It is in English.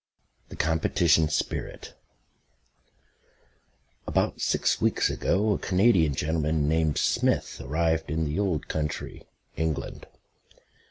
THE COMPETITION SPIRIT About six weeks ago a Canadian gentleman named Smith arrived in the Old Country (England).